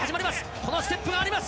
このステップがあります。